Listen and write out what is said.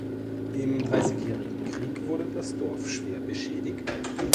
Im Dreißigjährigen Krieg wurde das Dorf schwer beschädigt.